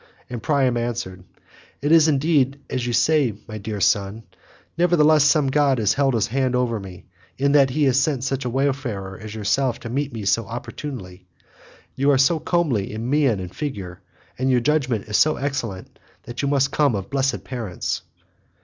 And Priam answered, "It is indeed as you say, my dear son; nevertheless some god has held his hand over me, in that he has sent such a wayfarer as yourself to meet me so opportunely; you are so comely in mien and figure, and your judgement is so excellent that you must come of blessed parents."